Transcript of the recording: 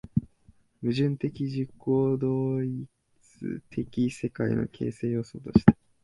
矛盾的自己同一的世界の形成要素として